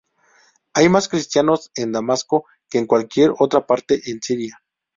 Hay más Cristianos en Damasco que en cualquier otra parte en Siria.